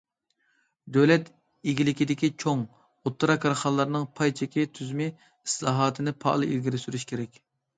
دۆلەت ئىگىلىكىدىكى چوڭ، ئوتتۇرا كارخانىلارنىڭ پاي چېكى تۈزۈمى ئىسلاھاتىنى پائال ئىلگىرى سۈرۈش كېرەك.